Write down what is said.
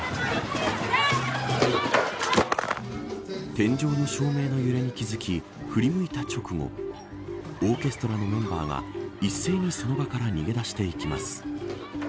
天井の照明の揺れに気付き振り向いた直後オーケストラのメンバーは一斉に、その場から逃げ出していきます。